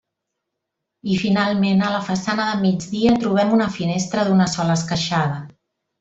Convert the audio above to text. I, finalment, a la façana de migdia trobem una finestra d'una sola esqueixada.